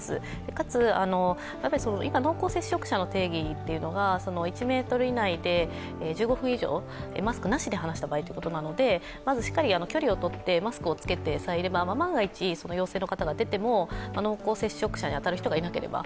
かつ、今、濃厚接触者の定義が１ｍ以内で１５分以上、マスクなしで話した場合ということなのでしっかり距離をとって、マスクをつけてさえいれば、万が一、陽性の方が出ても濃厚接触者がいなければ